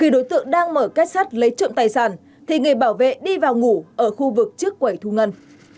đối tượng đang mở kết sắt lấy trộm tài sản thì người bảo vệ đi vào ngủ ở khu vực trước quẩy thu ngân